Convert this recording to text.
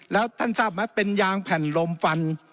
แล้วท่านทราบไหมเป็นยางแผ่นลมฟัน